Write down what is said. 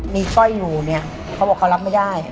มีสร้อยอยู่เนี่ยเขาบอกเขารับไม่ได้